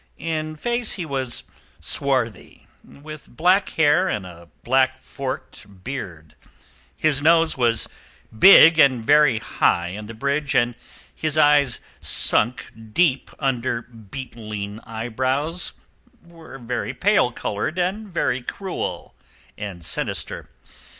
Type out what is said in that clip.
In face he was swarthy, with black hair and a black forked beard; his nose was big and very high in the bridge, and his eyes sunk deep under beetling eyebrows were very pale coloured and very cruel and sinister.